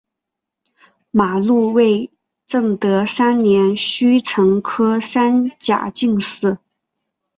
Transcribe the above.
马录为正德三年戊辰科三甲进士。